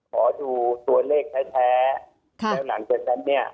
ขอดูตัวเลขแท้แล้วหลังจากนั้นเนี่ย